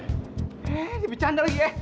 eh lebih canda lagi ya